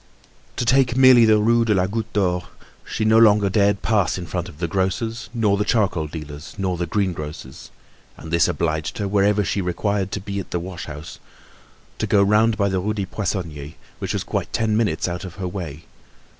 To take merely the Rue de la Goutte d'Or, she no longer dared pass in front of the grocer's, nor the charcoal dealer's, nor the greengrocer's; and this obliged her, whenever she required to be at the wash house, to go round by the Rue des Poissonniers, which was quite ten minutes out of her way.